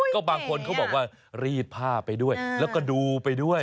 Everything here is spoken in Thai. ก็บางคนเขาบอกว่ารีดผ้าไปด้วยแล้วก็ดูไปด้วย